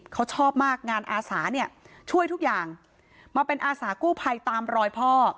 เขาชอบมากงานอาสาเนี่ยช่วยทุกอย่างมาเป็นอาสากู้ภัยตามรอยพ่อ